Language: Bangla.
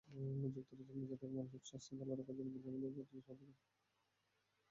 সুস্থভাবে বেঁচে থাকতে মানসিক স্বাস্থ্য ভাল রাখার প্রতি আমাদের আরও যত্নশীল হতে হবে।